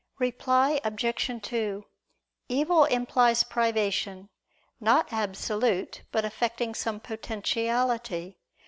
Reply Obj. 2: Evil implies privation, not absolute, but affecting some potentiality.